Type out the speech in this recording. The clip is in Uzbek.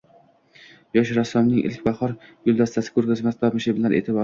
Yosh rassomning ilk Bahor guldastasi ko‘rgazmasi tomoshabinlar e’tiborida